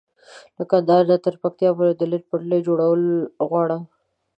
له کندهاره تر پکتيا د ريل پټلۍ جوړول غواړم